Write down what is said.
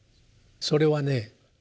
それはね